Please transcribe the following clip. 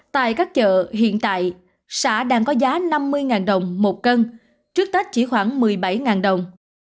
tại các chợ hiện tại xã đang có giá năm mươi đồng một cân trước tết chỉ khoảng một mươi bảy đồng